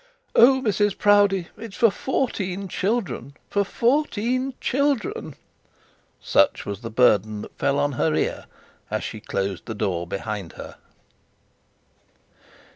'Oh, Mrs Proudie, it's for fourteen children for fourteen children.' Such was the burden that fell on her ear as she closed the door behind her.